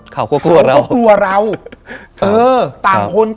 ต่างคนต่างทำ